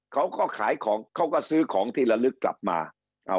เขาก็ขายของเขาก็ซื้อของที่ละลึกกลับมาอ่า